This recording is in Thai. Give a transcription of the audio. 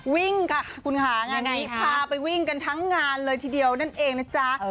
วิ่งค่ะคุณค่ะงานนี้พาไปวิ่งกันทั้งงานเลยทีเดียวนั่นเองนะจ๊ะ